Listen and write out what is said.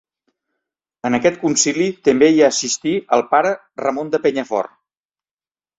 En aquest concili també hi assistí el pare Ramon de Penyafort.